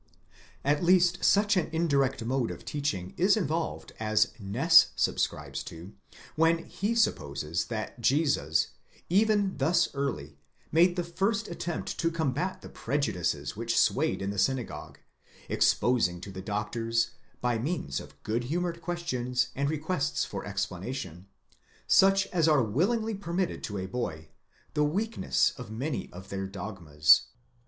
At least such an indirect mode of teaching is involved as Ness subscribes to, when he supposes that Jesus, even thus early, made the first attempt to combat the prejudices which swayed in the synagogue, exposing to the doctors, by means of good humoured questions and requests for explanation, such as are willingly per mitted to a boy, the weakness of many of their dogmas.!